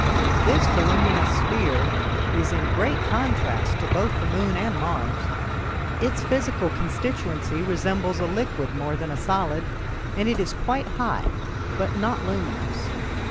This voluminous sphere is in great contrast to both the Moon and Mars. Its physical constituency resembles a liquid more than a solid, and it is quite hot but not luminous.